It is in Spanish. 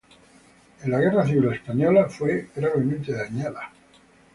En la Guerra Civil Española fue gravemente dañada.